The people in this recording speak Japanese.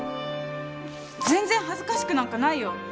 全然恥ずかしくなんかないよ。